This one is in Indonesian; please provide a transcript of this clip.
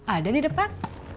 ada di depan